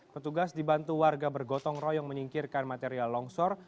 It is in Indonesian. petugas dibantu warga bergotong royong menyingkirkan material longsor